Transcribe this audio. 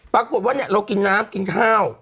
ปรากฏว่าเนี่ยเรากินน้ำกินข้าว